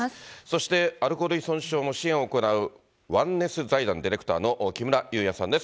そして、アルコール依存症の支援を行うワンネス財団ディレクターの木村勇也さんです。